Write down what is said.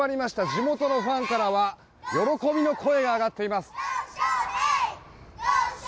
地元のファンからは喜びの声が上がっています。